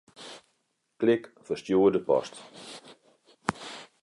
Klik Ferstjoerde post.